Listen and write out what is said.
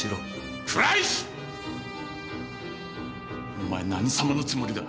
お前何様のつもりだ。